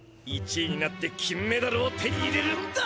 １いになって金メダルを手に入れるんだ！